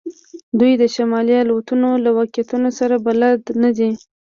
دوی د شمالي الوتنو له واقعیتونو سره بلد نه دي